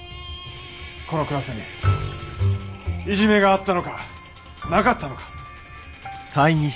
このクラスにいじめがあったのかなかったのか。